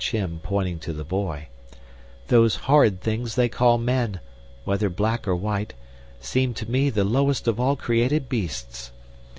"Those horrid things they call men, whether black or white, seem to me the lowest of all created beasts."